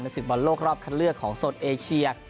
ศึกบอลโลกรอบคันเลือกของโซนเอเชีย